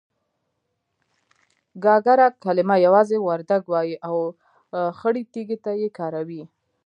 گاگره کلمه يوازې وردگ وايي او خړې تيږې ته يې کاروي.